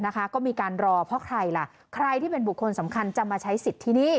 ก็มีการรอเพราะใครล่ะใครที่เป็นบุคคลสำคัญจะมาใช้สิทธิ์ที่นี่